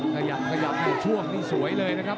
ขยับให้ช่วงนี้สวยเลยนะครับ